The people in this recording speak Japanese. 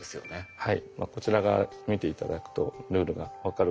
はい。